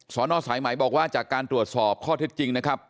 นสายไหมบอกว่าจากการตรวจสอบข้อเท็จจริงนะครับ